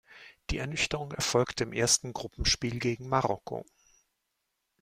Die Ernüchterung erfolgte im ersten Gruppenspiel gegen Marokko.